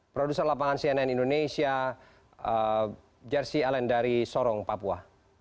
produser lapangan cnn indonesia jersi alendari sorong papua